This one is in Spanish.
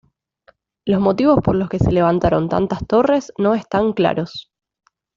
Los motivos por los que se levantaron tantas torres no están claros.